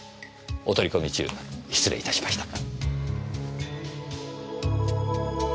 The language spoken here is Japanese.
お取り込み中失礼いたしました。